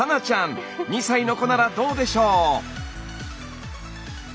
２歳の子ならどうでしょう？